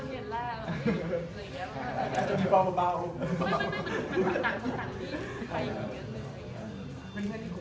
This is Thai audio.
แต่ว่าถ้าเกิดแบบเราดีกันก็ถือว่าเป็นเรื่องที่ดี